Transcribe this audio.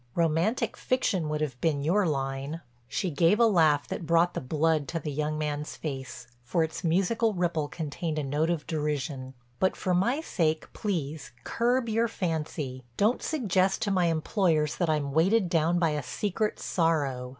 Romantic fiction would have been your line." She gave a laugh that brought the blood to the young man's face, for its musical ripple contained a note of derision: "But for my sake please curb your fancy. Don't suggest to my employers that I'm weighted down by a secret sorrow.